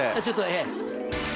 ちょっとええ。